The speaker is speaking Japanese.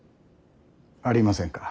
ありませんか。